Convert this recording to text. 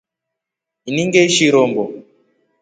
Ini ngeishi rombo.